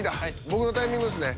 僕のタイミングですね。